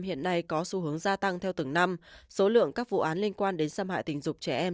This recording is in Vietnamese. hiện nay có xu hướng gia tăng theo từng năm số lượng các vụ án liên quan đến xâm hại tình dục trẻ em